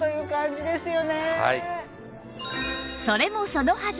それもそのはず！